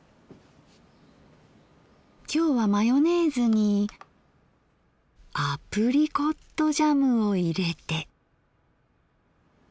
今日はマヨネーズにアプリコットジャムを入れて。